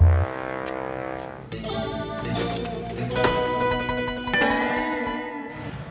di pulau apa sih